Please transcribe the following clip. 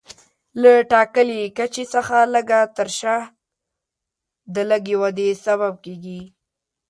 له ټاکلي کچې څخه لږه ترشح د لږې ودې سبب کېږي.